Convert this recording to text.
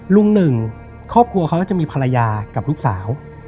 หนึ่งครอบครัวเขาก็จะมีภรรยากับลูกสาว